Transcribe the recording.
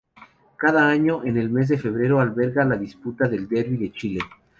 Cada año en el mes de febrero alberga la disputa del Derby de Chile.